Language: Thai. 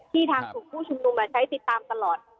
ที่ทางผู้ชุมดุมใช้ติดตามตลอด